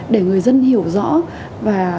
để người dân hiểu rõ và